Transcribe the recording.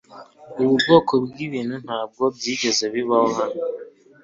Ubu bwoko bwibintu ntabwo byigeze bibaho hano.